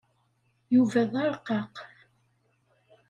Yuba d arqaq.